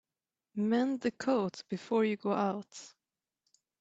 Mend the coat before you go out.